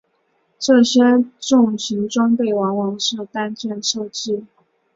这些重型装备往往是单件设计。